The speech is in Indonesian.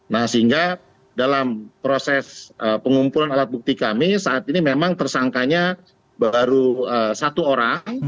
nah sehingga dalam proses pengumpulan alat bukti kami saat ini memang tersangkanya baru satu orang